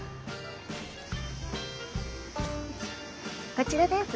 こちらです。